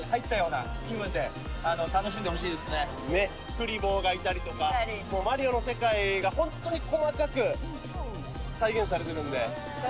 クリボーがいたりとかもう『マリオ』の世界がホントに細かく再現されてるんで。